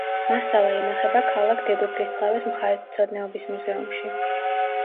მასალა ინახება ქალაქ დედოფლისწყაროს მხარეთმცოდნეობის მუზეუმში.